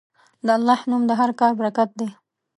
د الله نوم د هر کار برکت دی.